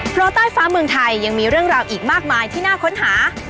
เพราะใต้ฟ้าเมืองไทยยังมีเรื่องราวอีกมากมายที่น่าค้นหา